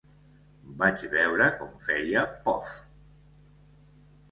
Vaig veure com feia ‘pof’.